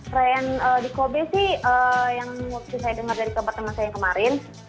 perayaan di kobe sih yang waktu saya dengar dari tempat teman saya yang kemarin